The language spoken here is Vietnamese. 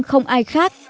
không ai khác